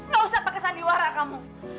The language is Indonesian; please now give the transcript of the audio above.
gak usah pakai sandiwara kamu